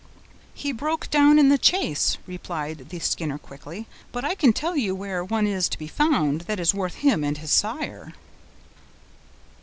"He broke down in the chase," replied the Skinner quickly; "but I can tell you where one is to be found that is worth him and his sire."